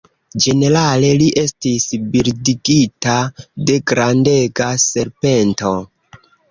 Ĝenerale li estis bildigita de grandega serpento.